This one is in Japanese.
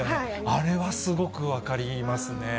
あれはすごく分かりますね。